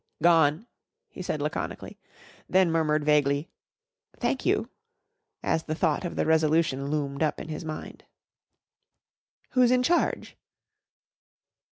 "Gone," he said laconically, then murmured vaguely, "thank you," as the thought of the Resolution loomed up in his mind. "Who's in charge?"